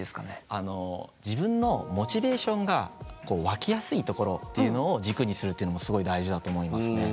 あの自分のモチベーションがこう湧きやすいところっていうのを軸にするっていうのもすごい大事だと思いますね。